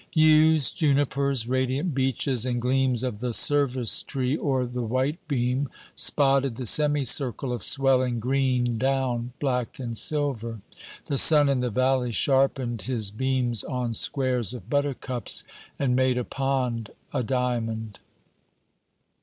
Yews, junipers, radiant beeches, and gleams of the service tree or the white beam spotted the semicircle of swelling green Down black and silver. The sun in the valley sharpened his beams on squares of buttercups, and made a pond a diamond.